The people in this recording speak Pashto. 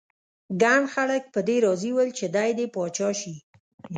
ګڼ خلک په دې راضي ول چې دی دې پاچا شي.